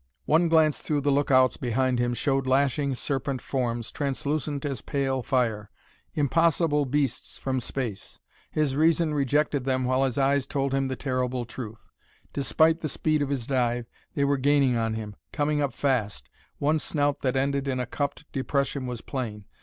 One glance through the lookouts behind him showed lashing serpent forms, translucent as pale fire; impossible beasts from space. His reason rejected them while his eyes told him the terrible truth. Despite the speed of his dive, they were gaining on him, coming up fast; one snout that ended in a cupped depression was plain.